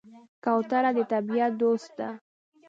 کوتره د طبیعت دوست ده.